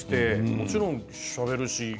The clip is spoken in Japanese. もちろん、しゃべるし。